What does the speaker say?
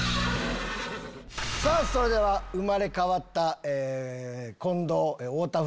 それでは生まれ変わった近藤・太田夫婦。